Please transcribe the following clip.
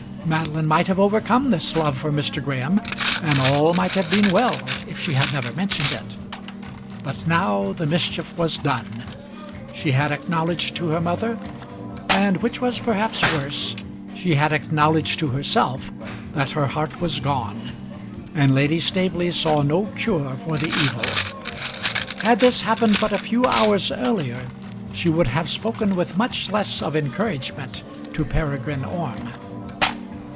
Madeline might have overcome this love for Mr. Graham, and all might have been well if she had never mentioned it. But now the mischief was done. She had acknowledged to her mother, and, which was perhaps worse, she had acknowledged to herself, that her heart was gone, and Lady Staveley saw no cure for the evil. Had this happened but a few hours earlier she would have spoken with much less of encouragement to Peregrine Orme.